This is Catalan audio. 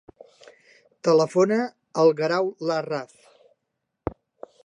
Telefona al Guerau Larraz.